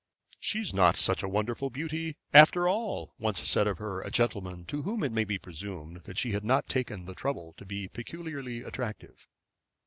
"She's not such a wonderful beauty, after all," once said of her a gentleman to whom it may be presumed that she had not taken the trouble to be peculiarly attractive.